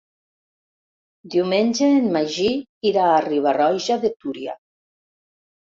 Diumenge en Magí irà a Riba-roja de Túria.